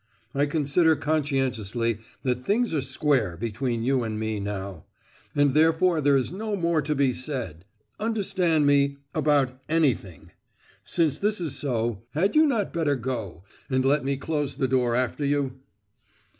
I consider conscientiously that things are square between you and me, now; and therefore there is no more to be said, understand me, about anything. Since this is so, had you not better go, and let me close the door after you?"